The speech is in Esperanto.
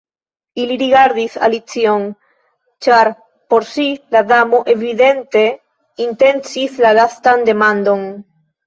Ili rigardis Alicion, ĉar por ŝi la Damo evidente intencis la lastan demandon.